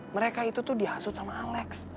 mereka itu tuh dihasut sama alex